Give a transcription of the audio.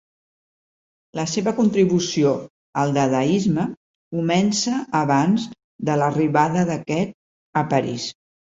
La seva contribució al Dadaisme comença abans de l'arribada d'aquest a Paris.